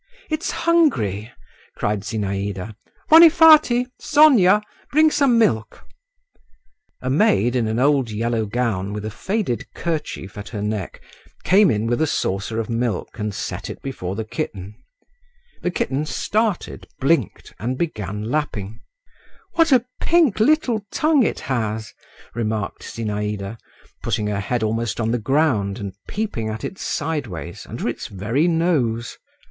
"It's hungry!" cried Zinaïda. "Vonifaty, Sonia! bring some milk." A maid, in an old yellow gown with a faded kerchief at her neck, came in with a saucer of milk and set it before the kitten. The kitten started, blinked, and began lapping. "What a pink little tongue it has!" remarked Zinaïda, putting her head almost on the ground and peeping at it sideways under its very nose.